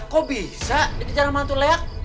kok bisa dikejar sama hantu leak